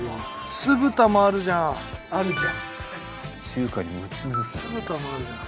酢豚もあるじゃない。